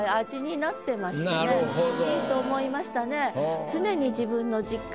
いいと思いましたね。